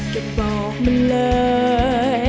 จะบอกมันเลย